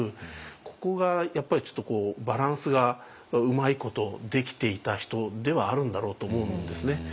ここがやっぱりちょっとバランスがうまいことできていた人ではあるんだろうと思うんですね。